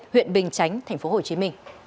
huyện bình chánh tp hcm